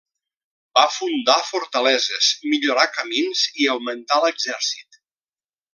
Va fundar fortaleses, millorar camins i augmentà l'exèrcit.